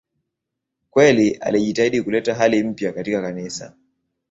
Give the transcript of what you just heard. Kweli alijitahidi kuleta hali mpya katika Kanisa.